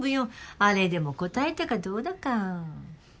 あれでもこたえたかどうだか。